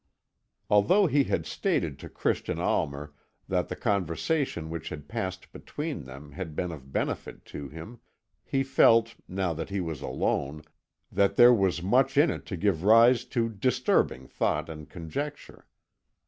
Although he had stated to Christian Almer that the conversation which had passed between them had been of benefit to him, he felt, now that he was alone, that there was much in it to give rise to disturbing thought and conjecture.